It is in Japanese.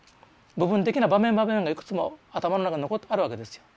部分的な場面場面がいくつも頭の中に残ってあるわけですよ。